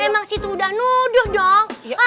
emang situ udah nuduh dong